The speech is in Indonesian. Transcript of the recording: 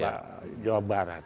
yang jawa barat